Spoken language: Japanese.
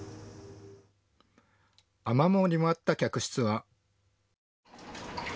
雨漏りもあった客室は。